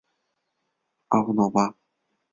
阿布诺巴。